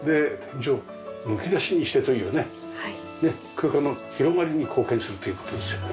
空間の広がりに貢献するという事ですよ。